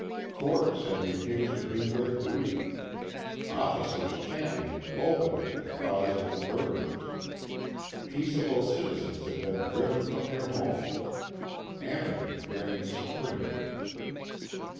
Courts had refused to do their duty; officers championed openly the cause of the murderers; peaceable citizens had been driven from their homes anarchy reigned supreme.